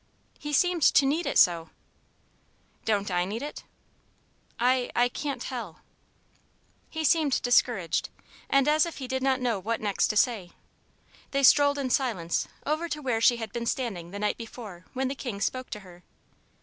"He seemed to need it so." "Don't I need it?" "I I can't tell." He seemed discouraged, and as if he did not know what next to say. They strolled in silence over to where she had been standing the night before when the King spoke to her.